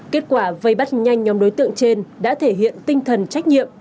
kết quả vây bắt nhanh nhóm đối tượng trên đã thể hiện tinh thần trách nhiệm